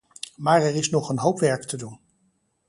Maar er is nog een hoop werk te doen.